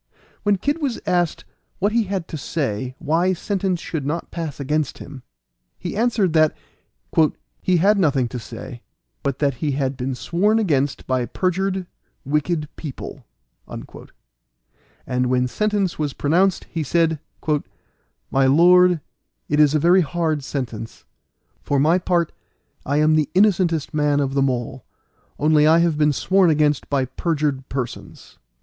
When Kid was asked what he had to say why sentence should not pass against him, he answered that "he had nothing to say, but that he had been sworn against by perjured, wicked people." And when sentence was pronounced, he said, "My lord, it is a very hard sentence. For my part I am the innocentest person of them all, only I have been sworn against by perjured persons."